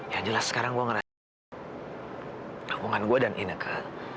yang jelas sekarang gue ngerasa hubungan gue dan ineke